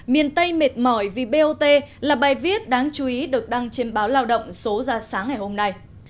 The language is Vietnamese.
miền tây mệt mỏi vì bot là bài viết đáng chú ý được đăng trên báo lao động số ra sáng ngày hôm nay